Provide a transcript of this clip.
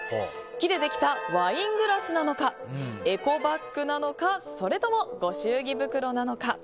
木でできたワイングラスなのかエコバッグなのかそれともご祝儀袋なのか。